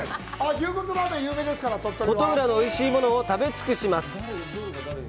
琴浦のおいしいものを食べ尽くします！